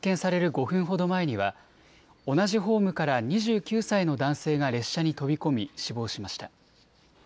５分ほど前には同じホームから２９歳の男性が列車に飛び込み死亡しました。